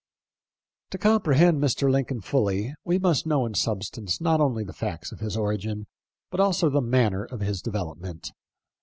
To comprehend Mr. Lincoln fully we must know in substance not only the facts of his origin, but also the manner of his development.